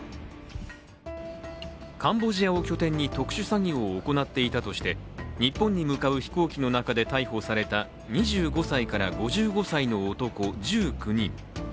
カンボジアを拠点に特殊詐欺を行っていたとして日本に向かう飛行機の中で逮捕された２５歳から５５歳までの男１９人。